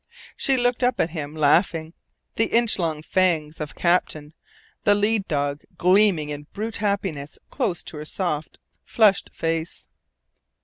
She looked up at him, laughing, the inch long fangs of Captain, the lead dog, gleaming in brute happiness close to her soft, flushed face.